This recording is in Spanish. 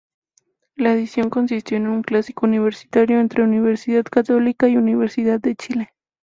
La edición consistió en un "Clásico Universitario" entre Universidad Católica y Universidad de Chile.